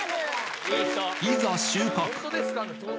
いざ、収穫。